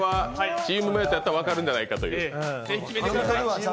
チームメートだったら分かるんじゃないかという。